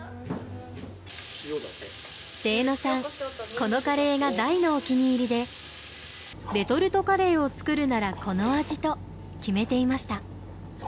このカレーが大のお気に入りでレトルトカレーを作るならこの味と決めていました。